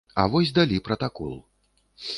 А вось далі пратакол.